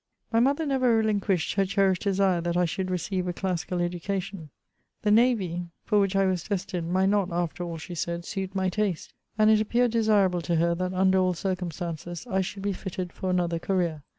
My another never relinquished her cherished desire that I should receive a classical education. The navy, for which I CHATEAUBRUND. 79 I was destined, might not, after all, she said, suit my taste; and it appeared desirable to her, that, mider all circumstances, I should be fitted for another career.